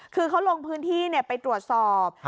คือเขาลงพื้นที่ไปตรวจสอบ